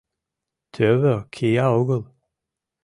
— Тӧвӧ кия огыл?